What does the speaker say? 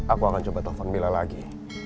aku akan coba telfon bella lagi